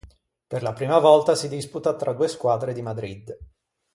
Per la prima volta si disputa tra due squadre di Madrid.